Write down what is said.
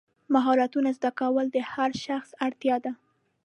مهارتونه زده کول د هر شخص اړتیا ده.